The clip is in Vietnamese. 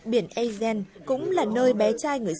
biển aegean cũng là nơi bé trai người dân